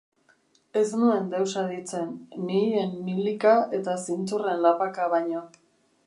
Ez nuen deus aditzen, mihien milika eta zintzurren lapaka baino.